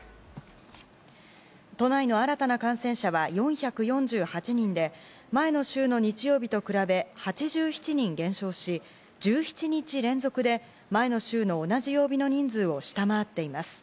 都内の新たな感染者は４４８人で前の週の日曜日と比べ８７人減少し１７日連続で前の週の同じ曜日の人数を下回っています。